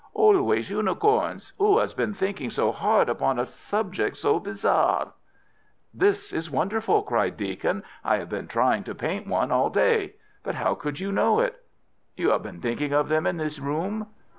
"Always unicorns. Who has been thinking so hard upon a subject so bizarre?" "This is wonderful!" cried Deacon. "I have been trying to paint one all day. But how could you know it?" "You have been thinking of them in this room."